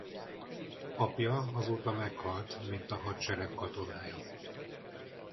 Apja azóta meghalt mint a hadsereg katonája.